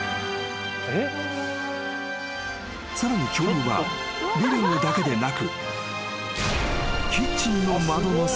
［さらに恐竜はリビングだけでなく］